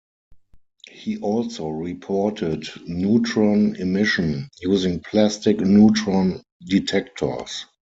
He also reported neutron emission, using plastic neutron detectors.